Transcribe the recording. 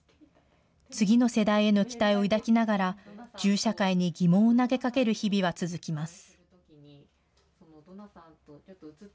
次の世代への期待を抱きながら、銃社会に疑問を投げかける日々は続きます。